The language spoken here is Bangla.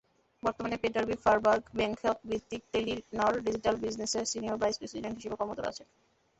বর্তমানে পেটার-বি ফারবার্গ ব্যাংককভিত্তিক টেলিনর ডিজিটাল বিজনেসের সিনিয়র ভাইস প্রেসিডেন্ট হিসেবে কর্মরত আছেন।